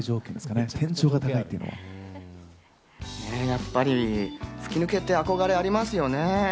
やっぱり吹き抜けって憧れありますよね。